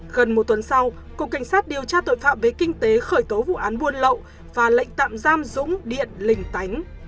gần một tuần sau cục cảnh sát điều tra tội phạm về kinh tế khởi tố vụ án buôn lậu và lệnh tạm giam dũng điện lình tánh